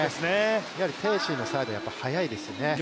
やはり鄭思緯のサーブは速いですよね